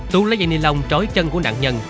tú lấy dây ni lông trối chân của nạn nhân